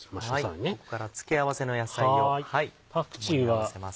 ここから付け合わせの野菜を盛り合わせます。